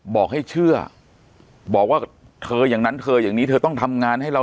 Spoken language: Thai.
บอกให้เชื่อบอกว่าเธออย่างนั้นเธออย่างนี้เธอต้องทำงานให้เรา